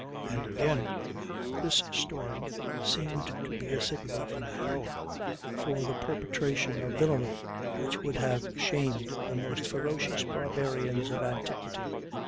And again: "This storm seemed to be a signal from hell for the perpetration of villainy which would have shamed the most ferocious barbarians of antiquity.